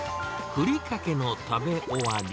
ふりかけの食べ終わり。